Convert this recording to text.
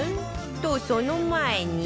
とその前に